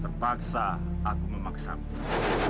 terpaksa aku memaksamu